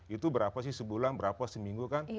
itu berapa sih sebulan berapa seminggu kan